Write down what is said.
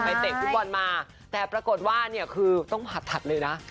ไปเตะฟุตบอลมาแต่ปรากฏว่าคือต้องผ่าถัดเลยนะ